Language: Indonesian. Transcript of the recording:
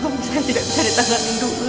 apakah suami saya tidak bisa ditangani dulu